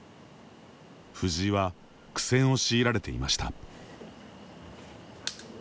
藤井は苦戦を強いられていました。